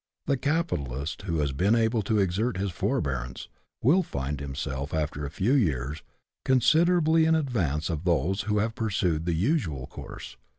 The capitalist who has been able to exert this forbearance, will find himself, after a few years, considerably in advance of those who have pursued the usual course.